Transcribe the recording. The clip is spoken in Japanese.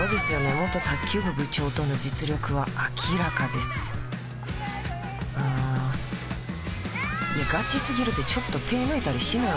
元卓球部部長との実力は明らかですうんガチすぎるってちょっと手抜いたりしなよ